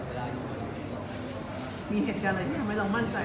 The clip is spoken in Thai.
มีเหตุการณ์อะไรที่ทำให้เรามั่นใจ